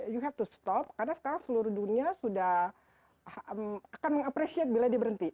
you have to stop karena sekarang seluruh dunia sudah akan mengapresiasi bila dia berhenti